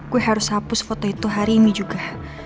gue harus hapus foto itu hari ini juga